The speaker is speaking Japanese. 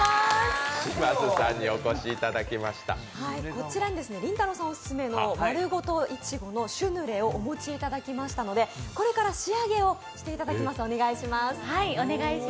こちらにりんたろーさんオススメのまるごとイチゴのシュヌレをお持ちいただきましたのでこれから仕上げをしていただきます、お願いします。